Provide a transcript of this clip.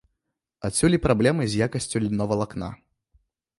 Адсюль і праблемы з якасцю льновалакна.